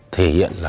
thể hiện là